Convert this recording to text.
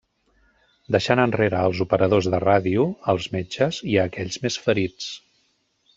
Deixant enrere als operadors de ràdio, als metges i a aquells més ferits.